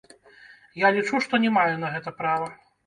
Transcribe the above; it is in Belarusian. Я лічу, што не маю на гэта права.